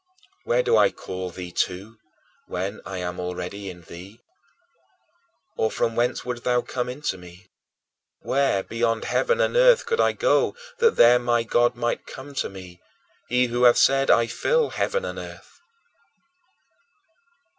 Where do I call thee to, when I am already in thee? Or from whence wouldst thou come into me? Where, beyond heaven and earth, could I go that there my God might come to me he who hath said, "I fill heaven and earth"?